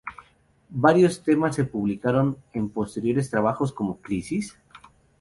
Varios temas se publicaron en posteriores trabajos como "Crisis?